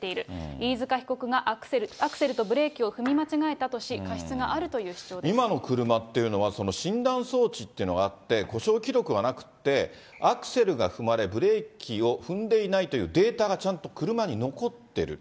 飯塚被告がアクセルとブレーキを踏み間違えたとし、過失があると今の車っていうのは、その診断装置っていうのがあって、故障記録はなくって、アクセルが踏まれ、ブレーキを踏んでいないというデータがちゃんと車に残ってる。